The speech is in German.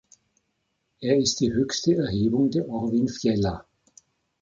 Er ist die höchste Erhebung der Orvinfjella.